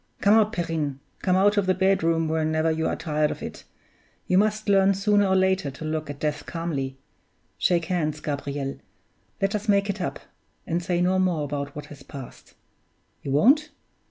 Come out, Perrine come out of the bedroom whenever you are tired of it: you must learn sooner or later to look at death calmly. Shake hands, Gabriel; and let us make it up, and say no more about what has passed. You won't?